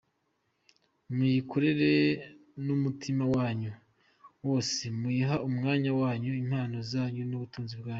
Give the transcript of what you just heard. Muyikorere n’umutima wanyu wose, muyiha umwanya wanyu, impano zanyu n’ubutunzi bwanyu.